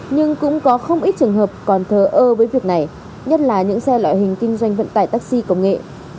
nhưng cũng có không ít trường hợp còn thờ ơ với việc này nhất là những xe loại hình kinh doanh vận tải taxi công nghệ